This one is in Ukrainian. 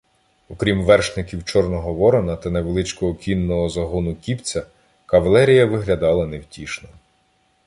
Окрім вершників Чорного Ворона та невеличкого кінного загону Кібця, кавалерія виглядала невтішно.